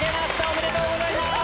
おめでとうございます！